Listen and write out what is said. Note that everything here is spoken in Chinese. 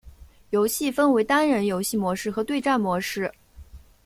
游戏分为单人游戏模式和对战模式。